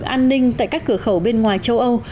an ninh tại các cửa khẩu bên ngoài châu âu